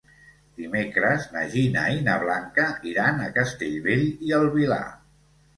Dimecres na Gina i na Blanca iran a Castellbell i el Vilar.